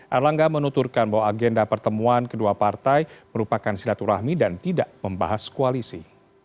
erlangga menuturkan bahwa agenda pertemuan kedua partai merupakan silaturahmi dan tidak membahas koalisi